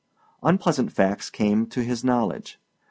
Unpleasant facts came to his knowledge.